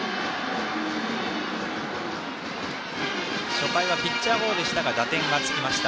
初回はピッチャーゴロでしたが打点はつきました。